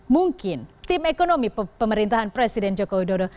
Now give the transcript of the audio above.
mungkin tim ekonomi pemerintahan presiden joko widodo